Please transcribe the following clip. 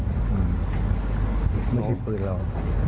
ไม่ใช่ปืนแล้ว